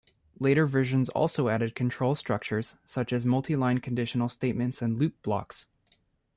Later versions also added control structures, such as multiline conditional statements and loop blocks.